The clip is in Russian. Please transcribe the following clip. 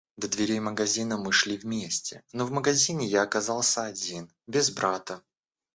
До дверей магазина мы шли вместе, но в магазине я оказался один, без брата.